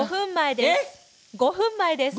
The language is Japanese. ５分前です。